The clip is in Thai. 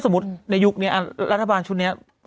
ในยุคนี้รัฐบาลชุดนี้